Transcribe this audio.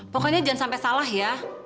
pokoknya jangan sampai salah ya